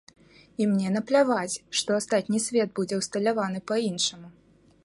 І мне напляваць, што астатні свет будзе ўсталяваны па-іншаму.